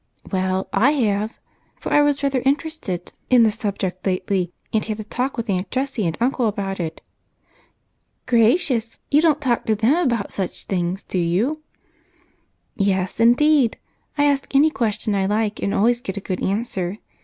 "Well, I have, for I was rather interested in the subject lately and had a talk with Aunt Jessie and Uncle about it." "Gracious! You don't talk to them about such things, do you?" "Yes, indeed. I ask any questions I like, and always get a good answer.